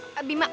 eh eh bima